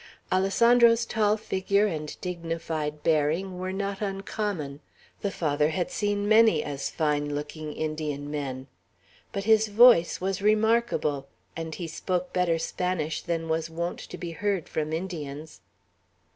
Alessandro's tall figure and dignified bearing were not uncommon. The Father had seen many as fine looking Indian men. But his voice was remarkable, and he spoke better Spanish than was wont to be heard from Indians.